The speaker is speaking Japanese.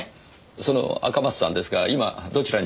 その赤松さんですが今どちらに？